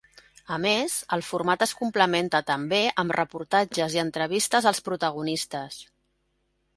A més, el format es complementa també amb reportatges i entrevistes als protagonistes.